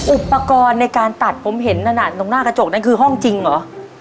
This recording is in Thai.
อุปกรณ์ในการตัดผมเห็นนั่นน่ะตรงหน้ากระจกนั่นคือห้องจริงเหรอ